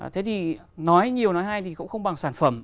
thế thì nói nhiều nói hay thì cũng không bằng sản phẩm